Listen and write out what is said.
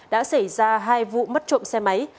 đã xảy ra hai vụ mất trộm xe máy